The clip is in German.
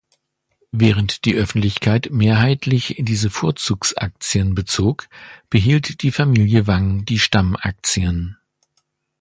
Während die Öffentlichkeit mehrheitlich diese Vorzugsaktien bezog, behielt die Familie Wang die Stammaktien.